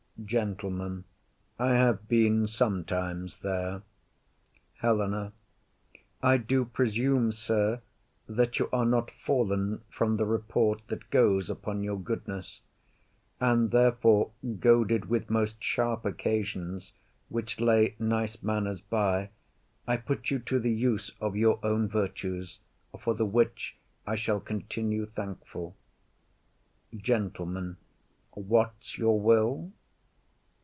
GENTLEMAN. I have been sometimes there. HELENA. I do presume, sir, that you are not fallen From the report that goes upon your goodness; And therefore, goaded with most sharp occasions, Which lay nice manners by, I put you to The use of your own virtues, for the which I shall continue thankful. GENTLEMAN. What's your will?